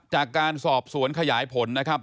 จากการสอบสวนขยายผลนะครับ